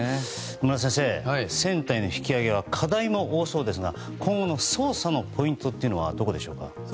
野村先生、船体の引き揚げ課題も多そうですが今後の捜査のポイントはどこでしょうか。